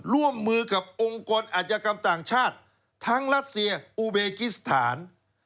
ร่วมมือกับองค์กรอาชญากรรมต่างชาติทั้งรัสเซียอูเบกิสถาน